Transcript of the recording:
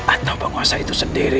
atau penguasa itu sendiri